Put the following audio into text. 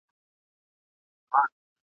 او خلک یې پوهي او شاعری ته ګوته په غاښ ونیسي ,